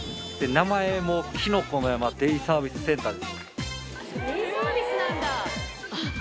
名前もきのこの山デイサービスセンター。